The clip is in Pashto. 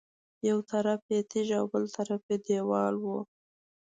یو طرف یې تیږې او بل طرف یې دېوال و.